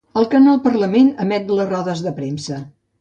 El Canal Parlament emet les rodes de premsa.